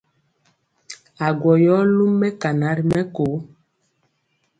Agwɔ yɔ lum mɛkana ri mɛko.